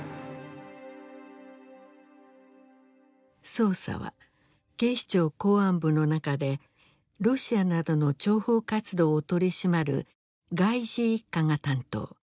捜査は警視庁公安部の中でロシアなどの諜報活動を取り締まる外事一課が担当。